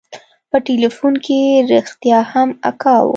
په ټېلفون کښې رښتيا هم اکا و.